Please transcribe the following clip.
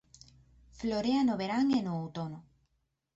Florea no verán e no outono.